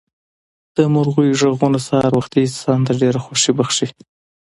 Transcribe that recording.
د مرغیو غږونه سهار وختي انسان ته ډېره خوښي بښي.